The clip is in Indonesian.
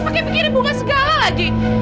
pakai pengkirim bunga segala lagi